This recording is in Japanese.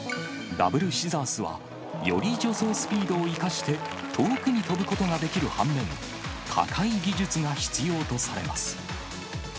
ダブルシザースは、より助走スピードを生かして、遠くに跳ぶことができる反面、高い技術が必要とされます。